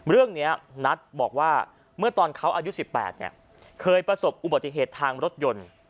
นัทบอกว่าเมื่อตอนเขาอายุ๑๘เคยประสบอุบัติเหตุทางรถยนต์